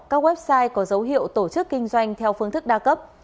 các website có dấu hiệu tổ chức kinh doanh theo phương thức đa cấp